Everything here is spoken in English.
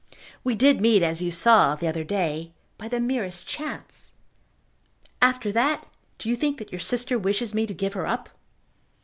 We did meet, as you saw, the other day, by the merest chance. After that, do you think that your sister wishes me to give her up?"